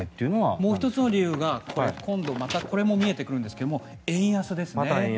もう１つの理由が今度またこれも見えてくるんですが円安ですね。